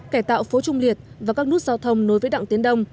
cải tạo phố trung liệt và các nút giao thông nối với đặng tiến đông